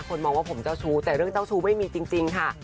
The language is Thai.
มองว่าผมเจ้าชู้แต่เรื่องเจ้าชู้ไม่มีจริงค่ะ